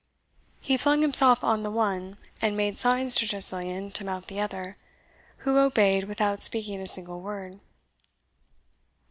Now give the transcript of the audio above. He flung himself on the one, and made signs to Tressilian to mount the other, who obeyed without speaking a single word.